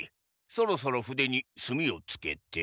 そろそろ筆にすみをつけて。